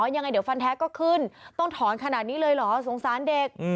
ยังไงเดี๋ยวฟันแท้ก็ขึ้นต้องถอนขนาดนี้เลยเหรอสงสารเด็ก